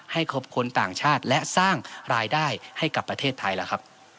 ครบคนต่างชาติและสร้างรายได้ให้กับประเทศไทยแล้วครับ